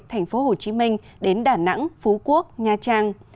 thành phố hồ chí minh đến đà nẵng phú quốc nha trang